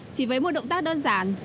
chỉ với một động tác đơn giản